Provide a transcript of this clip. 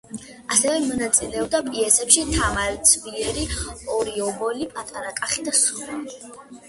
ასევე მონაწილეობდა პიესებში „თამარ ცბიერი“, „ორი ობოლი“, „პატარა კახი“ და სხვა.